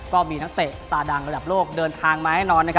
ก็มีนักเตะสตาร์ดังระดับโลกเดินทางมาแน่นอน